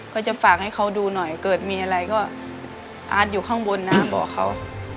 ก็จะฝากให้เขาดูหน่อยเกิดมีอะไรก็อาร์ตอยู่ข้างบนนะบอกเขา